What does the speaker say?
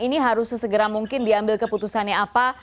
ini harus sesegera mungkin diambil keputusannya apa